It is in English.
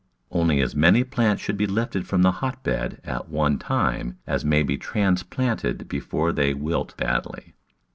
Only as many plants should be lifted from the hot bed at one time as may be transplanted before they wilt badly.